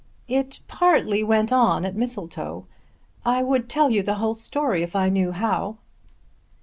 "It partly went on at Mistletoe. I would tell you the whole story if I knew how."